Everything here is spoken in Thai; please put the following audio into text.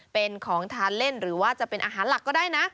เป็นของทานเล่นหรือว่าจะเป็นอาหารหลักก็ได้นะ